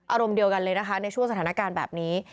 อารมณ์เดียวกันเลยนะคะในช่วงสถานการณ์แบบนี้